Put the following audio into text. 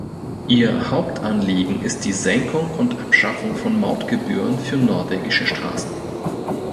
Ihr Hauptanliegen ist die Senkung und Abschaffung von Mautgebühren für norwegische Straßen.